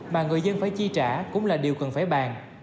mà người dân phải chi trả cũng là điều cần phải bàn